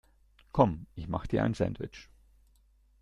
Komm ich mach dir ein Sandwich.